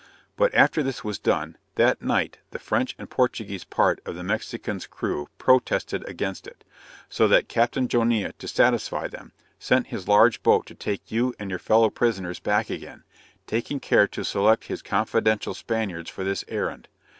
But after this was done, that night the French and Portuguese part of the Mexican's crew protested against it; so that Captain Jonnia to satisfy them, sent his large boat to take you and your fellow prisoners back again, taking care to select his confidential Spaniards for this errand.